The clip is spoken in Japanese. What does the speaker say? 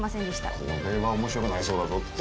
これは面白くなりそうだぞって